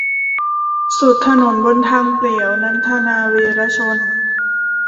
สุดถนนบนทางเปลี่ยว - นันทนา วีระชน